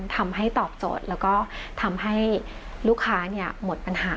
ทำให้ตอบโจทย์แล้วก็ทำให้ลูกค้าหมดปัญหา